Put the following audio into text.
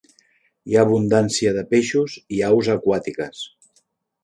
Hi ha abundància de peixos i aus aquàtiques.